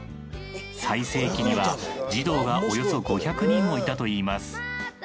最盛期には児童がおよそ５００人もいたといいます。